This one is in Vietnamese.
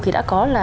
thì đã có là